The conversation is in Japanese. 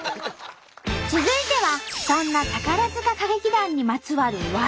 続いてはそんな宝塚歌劇団にまつわる「技」！